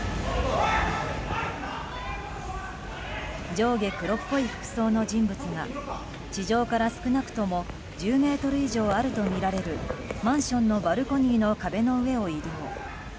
上下黒っぽい服装の人物が地上から少なくとも１０ｍ以上あるとみられるマンションのバルコニーの壁の上を移動。